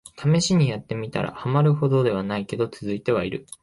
ためしにやってみたら、ハマるほどではないけど続いてはいる